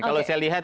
kalau saya lihat